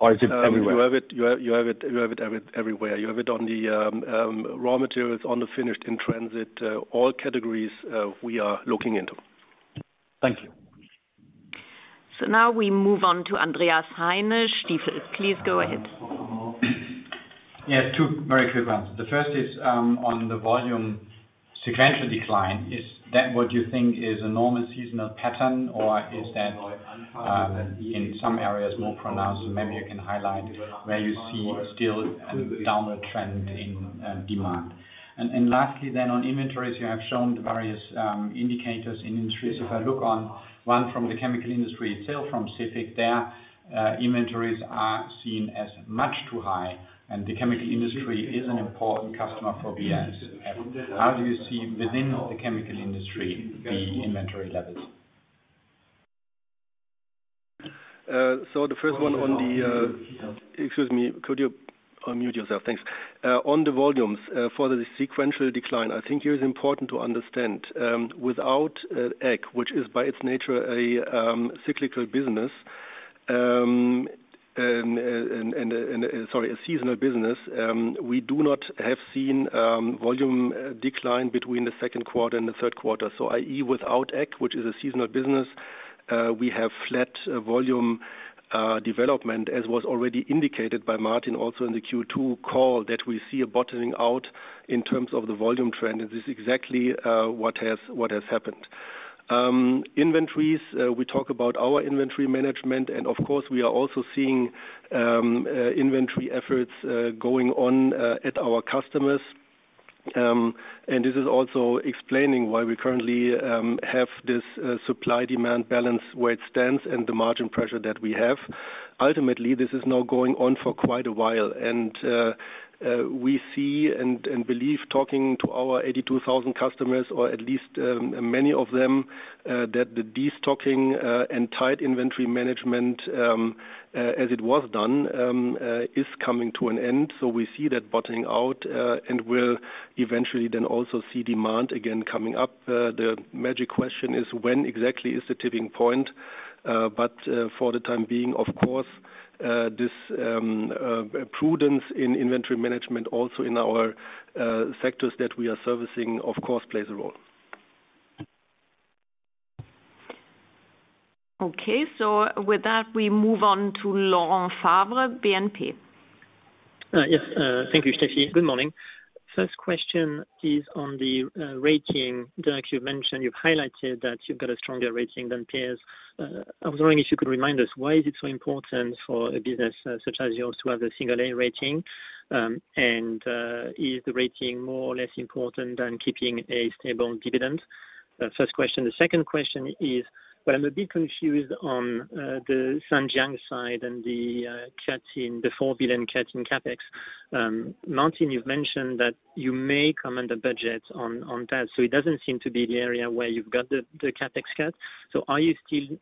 K: or is it everywhere?
C: You have it everywhere. You have it on the raw materials, on the finished, in transit, all categories, we are looking into.
K: Thank you.
A: Now we move on to Andreas Heine. Please go ahead.
L: Yes, two very quick ones. The first is, on the volume sequential decline, is that what you think is a normal seasonal pattern, or is that in some areas more pronounced? So maybe you can highlight where you see still a downward trend in demand. And lastly, then on inventories, you have shown the various indicators in industries. If I look on one from the chemical industry itself, from Cefic, their inventories are seen as much too high, and the chemical industry is an important customer for BASF. How do you see within the chemical industry, the inventory levels?
C: So the first one on the... Excuse me, could you unmute yourself? Thanks. On the volumes, for the sequential decline, I think it is important to understand, without EQ, which is by its nature, a cyclical business, and, sorry, a seasonal business, we do not have seen, volume decline between the Q2 and the Q3. So i.e., without EQ, which is a seasonal business, we have flat, volume development, as was already indicated by Martin also in the Q2 call, that we see a bottoming out in terms of the volume trend, and this is exactly, what has happened. Inventories, we talk about our inventory management, and of course, we are also seeing, inventory efforts going on, at our customers. This is also explaining why we currently have this supply-demand balance where it stands and the margin pressure that we have. Ultimately, this is now going on for quite a while, and we see and believe, talking to our 82,000 customers, or at least many of them, that the destocking and tight inventory management as it was done is coming to an end. So we see that bottoming out, and we'll eventually then also see demand again coming up. The magic question is when exactly is the tipping point? But for the time being, of course, this prudence in inventory management also in our sectors that we are servicing, of course, plays a role.
D: Okay. So with that, we move on to Laurent Favre, BNP.
M: Yes. Thank you, Stephanie. Good morning. First question is on the rating. Dirk, you mentioned, you've highlighted that you've got a stronger rating than peers. I was wondering if you could remind us, why is it so important for a business such as yours to have a single A rating? And, is the rating more or less important than keeping a stable dividend? First question. The second question is, but I'm a bit confused on the Zhanjiang side and the cut in, the 4 billion cut in CapEx. Martin, you've mentioned that you may come under budget on that, so it doesn't seem to be the area where you've got the CapEx cut. So are you still,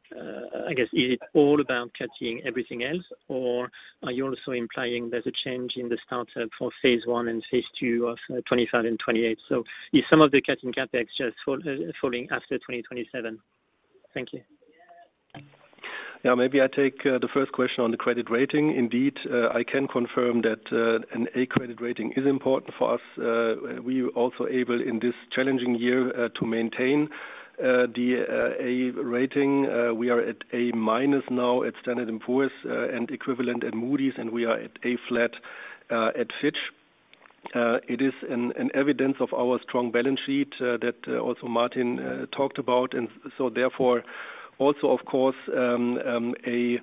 M: I guess, is it all about cutting everything else, or are you also implying there's a change in the startup for phase one and phase two of 2025 and 2028? So is some of the cutting CapEx just falling after 2027?... Thank you.
C: Yeah, maybe I take the first question on the credit rating. Indeed, I can confirm that an A credit rating is important for us. We were also able, in this challenging year, to maintain the A rating. We are at A-minus now at Standard & Poor's, and equivalent at Moody's, and we are at A-flat at Fitch. It is an evidence of our strong balance sheet that also Martin talked about, and so therefore, also, of course, a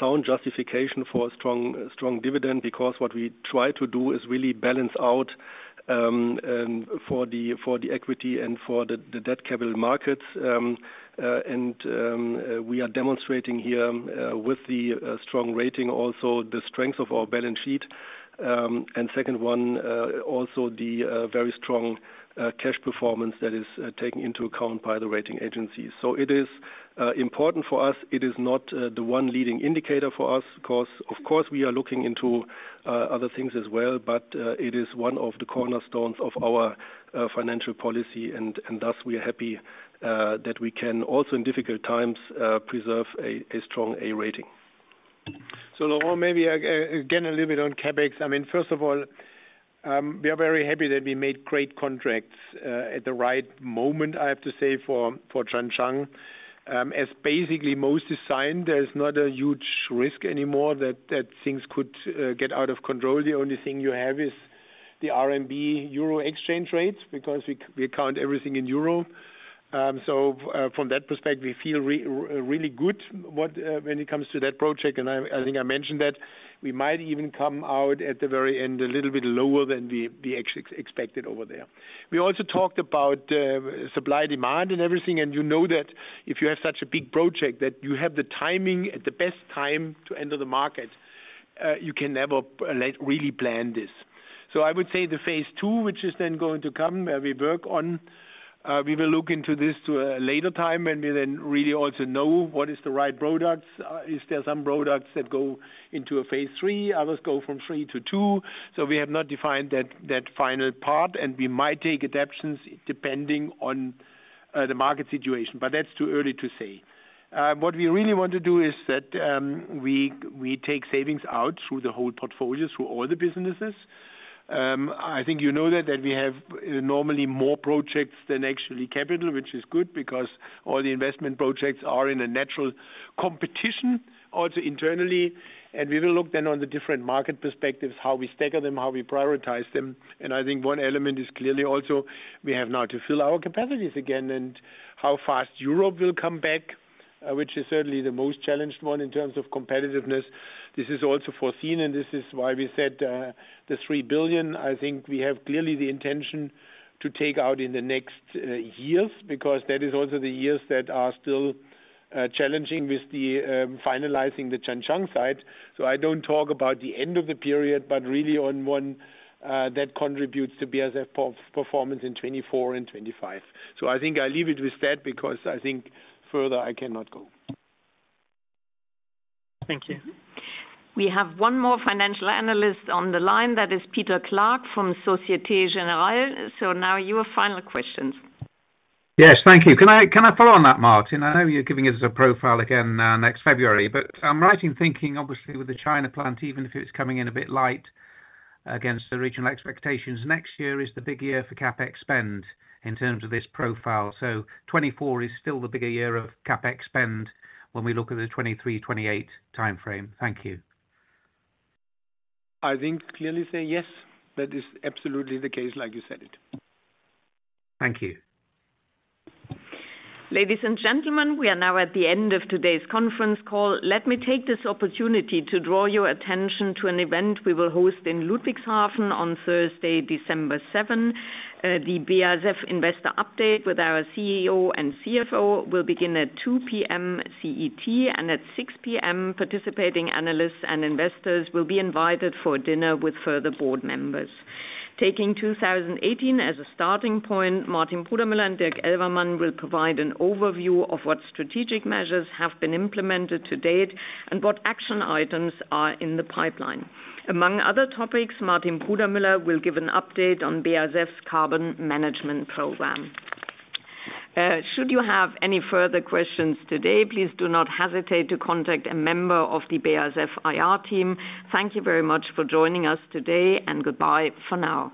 C: sound justification for strong dividend because what we try to do is really balance out for the equity and for the debt capital markets. And we are demonstrating here with the strong rating, also the strength of our balance sheet. And second one, also the very strong cash performance that is taken into account by the rating agencies. So it is important for us. It is not the one leading indicator for us 'cause of course we are looking into other things as well, but it is one of the cornerstones of our financial policy. And thus, we are happy that we can also, in difficult times, preserve a strong A rating. So Laurent, maybe again, a little bit on CapEx. I mean, first of all, we are very happy that we made great contracts at the right moment, I have to say, for Zhanjiang. As basically most is signed, there's not a huge risk anymore that things could get out of control.
B: The only thing you have is the RMB-Euro exchange rate, because we account everything in euro. So, from that perspective, we feel really good when it comes to that project, and I think I mentioned that we might even come out at the very end a little bit lower than we actually expected over there. We also talked about supply, demand and everything, and you know that if you have such a big project, that you have the timing at the best time to enter the market, you can never, like, really plan this. So I would say the phase two, which is then going to come, we work on, we will look into this to a later time, and we then really also know what is the right products. Is there some products that go into a phase three, others go from three to two? So we have not defined that, that final part, and we might take adaptations depending on, the market situation, but that's too early to say. What we really want to do is that, we, we take savings out through the whole portfolio, through all the businesses. I think you know that, that we have normally more projects than actually capital, which is good because all the investment projects are in a natural competition also internally. And we will look then on the different market perspectives, how we stagger them, how we prioritize them. And I think one element is clearly also we have now to fill our capacities again, and how fast Europe will come back, which is certainly the most challenged one in terms of competitiveness. This is also foreseen, and this is why we said, the 3 billion. I think we have clearly the intention to take out in the next years, because that is also the years that are still challenging with the finalizing the Zhanjiang site. So I don't talk about the end of the period, but really on one, that contributes to BASF per-performance in 2024 and 2025. So I think I leave it with that because I think further I cannot go.
A: Thank you. We have one more financial analyst on the line. That is Peter Clark from Société Générale. So now your final questions.
N: Yes, thank you. Can I, can I follow on that, Martin? I know you're giving us a profile again, next February, but I'm right in thinking obviously with the China plant, even if it's coming in a bit light against the regional expectations, next year is the big year for CapEx spend in terms of this profile. So 2024 is still the bigger year of CapEx spend when we look at the 2023, 2028 time frame. Thank you.
B: I think clearly say yes, that is absolutely the case, like you said it.
N: Thank you.
A: Ladies and gentlemen, we are now at the end of today's conference call. Let me take this opportunity to draw your attention to an event we will host in Ludwigshafen on Thursday, December 7. The BASF Investor Update with our CEO and CFO will begin at 2:00 P.M. CET, and at 6:00 P.M., participating analysts and investors will be invited for dinner with further board members. Taking 2018 as a starting point, Martin Brudermüller and Dirk Elvermann will provide an overview of what strategic measures have been implemented to date and what action items are in the pipeline. Among other topics, Martin Brudermüller will give an update on BASF's carbon management program. Should you have any further questions today, please do not hesitate to contact a member of the BASF IR team. Thank you very much for joining us today, and goodbye for now.